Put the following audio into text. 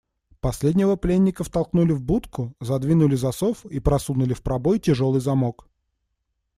Последнего пленника втолкнули в будку, задвинули засов и просунули в пробой тяжелый замок.